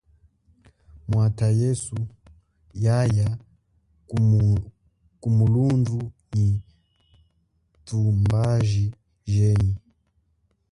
Mwatha yesu yaya kumulundhu nyi tumbaji jenyi.